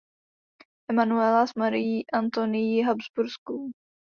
Emanuela s Marií Antonií Habsburskou.